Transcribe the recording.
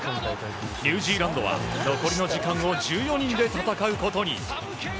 ニュージーランドは残りの時間を１４人で戦うことに。